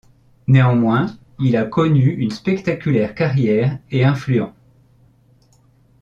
Néanmoins, il a connu une spectaculaire carrière et influents.